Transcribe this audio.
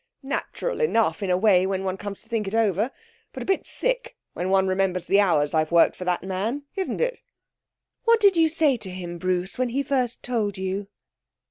Natural enough, in a way, when one comes to think it over; but a bit thick when one remembers the hours I've worked for that man isn't it?' 'What did you say to him, Bruce, when he first told you?'